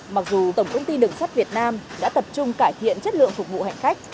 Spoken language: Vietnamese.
mặc dù tổng công ty đường sắt việt nam đã tập trung cải thiện chất lượng phục vụ hành khách